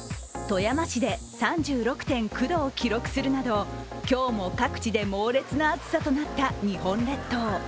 富山市で３６．９度を記録するなど今日も各地で、猛烈な暑さとなった日本列島。